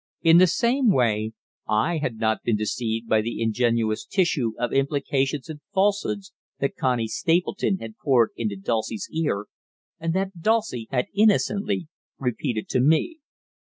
In the same way I had not been deceived by the ingenious tissue of implications and falsehoods that Connie Stapleton had poured into Dulcie's ear, and that Dulcie had innocently repeated to me.